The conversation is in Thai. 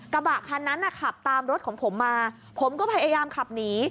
กระบะคันนั้นน่ะขับตามรถของผมมาผมก็พยายามขับหนี